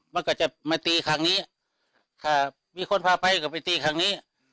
มันก็จะมาตีครั้งนี้ถ้ามีคนพาไปก็ไปตีครั้งนี้